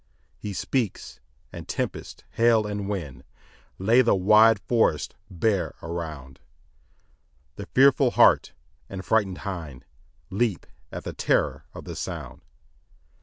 3 He speaks, and tempest, hail, and wind, Lay the wide forests bare around; The fearful hart, and frighted hind, Leap at the terror of the sound.